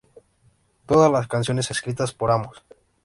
Todas las canciones escritas por Amos.